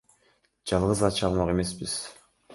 Жалгыз ача алмак эмеспиз.